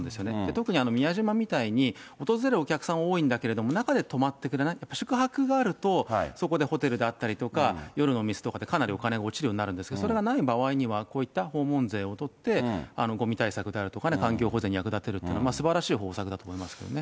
特に宮島みたいに訪れるお客さんは多いんだけれども、中で泊まれてくれない、宿泊があると、そこでホテルであったりとか、夜のお店とかでかなりお金が落ちるようになるんですけど、それがない場合には、こういった訪問税を取って、ごみ対策であるとか、環境保全に役立てるって、すばらしい方策だと思いますけどね。